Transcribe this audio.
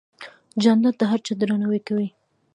جانداد د هر چا درناوی کوي.